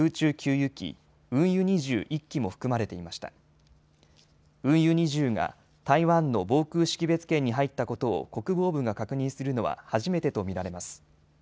油２０が台湾の防空識別圏に入ったことを国防部が確認するのは初めてと見られます。